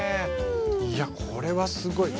いやこれはすごい。